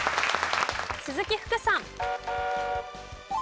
鈴木福さん。